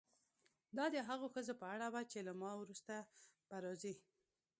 دا د هغو ښځو په اړه وه چې له ما وروسته به راځي.